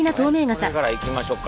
これからいきましょか。